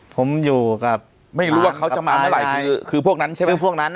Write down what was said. ผมอยู่กับไม่รู้ว่าเขาจะมาเมื่อไหร่คือพวกนั้นใช่ไหมพวกนั้น